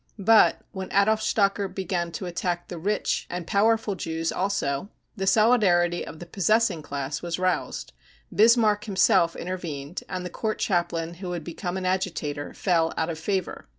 But when Adolf Stocker began to attack rich and powerful Jews also, the solidarity of the possessing class was roused ; Bismarck himself intervened, and the court chaplain who had become an agitator fell out of favour.